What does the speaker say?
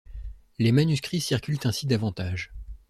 Les manuscrits circulent ainsi davantage.